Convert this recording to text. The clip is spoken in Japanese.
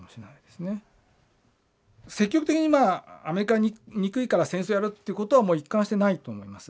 積極的にアメリカ憎いから戦争やるっていうことは一貫してないと思います。